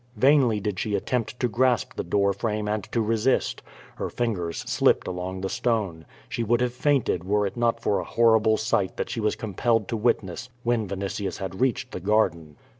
Vainly did she attempt to grasp the door frame and to resist. Her fingers slipped along the stone. She would have fainted were it not for a horrible sight that she was compelled to witness, when Vinitius had reached the garden.